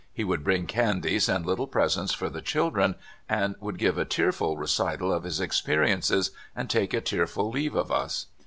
He would bring candies and little presents for the children, and would give a tearful recital of his experiences and take a tearful leave of us.